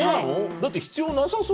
だって必要なさそうじゃん。